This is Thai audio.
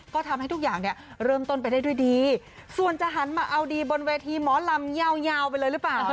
ก็ทำให้ทุกอย่างเนี่ยเริ่มต้นไปได้ด้วยดีส่วนจะหันมาเอาดีบนเวทีหมอลำยาวไปเลยหรือเปล่า